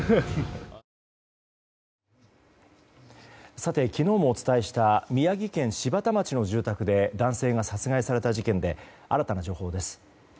さて、昨日もお伝えした宮城県柴田町の住宅で男性が殺害された事件で新たな情報です。